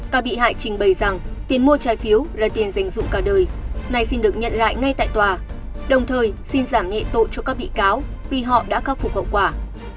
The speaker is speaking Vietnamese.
các bị hại trình bày rằng tiền mua trái phiếu là tiền dành dụng cả đời nay xin được nhận lại ngay tại tòa đồng thời xin giảm nhẹ tội cho các bị cáo vì họ đã khắc phục hậu quả